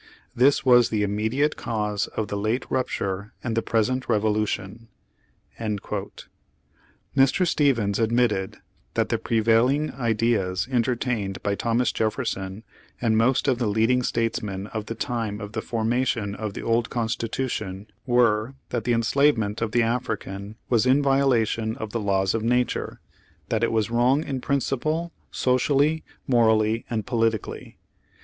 This was the immediate cause of the late rupture and the present revolution." Mr. Stephens admitted that "the prevailing ideas entertained" by Thomas Jefferson and "most of the leading Statesmen at the time of the forma tion of the Old Constitution were, that the en slavement of the African was in violation of the The same, p. 337. Page Fifty two laws of nature; that it was wrong in principle, socially, morally and politically."